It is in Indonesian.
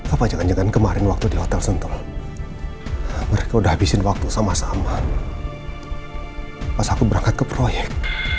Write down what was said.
apa jangan jangan kemarin waktu di hotel sentral mereka udah habisin waktu sama sama pas aku berangkat ke proyek